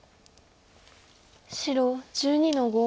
白１２の五。